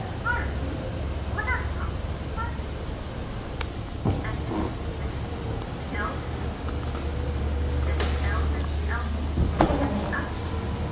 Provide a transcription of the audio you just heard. Hark! what a humming and buzzing? " At this moment the Elf hill opened, and an elderly elf maiden tripped out.